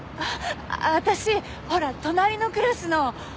私ほら隣のクラスの。